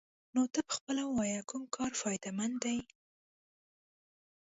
نو ته پخپله ووايه كوم كار فايده مند دې؟